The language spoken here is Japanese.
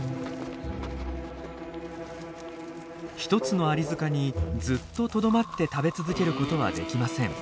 一つのアリ塚にずっととどまって食べ続けることはできません。